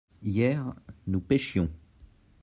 hier nous pêchions.